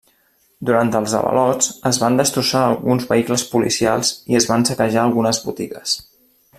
Durant els avalots, es van destrossar alguns vehicles policials i es van saquejar algunes botigues.